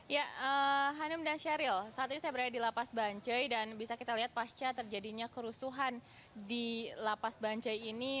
ya hanum dan sheryl saat ini saya berada di lapas bancai dan bisa kita lihat pasca terjadinya kerusuhan di lapas bancai ini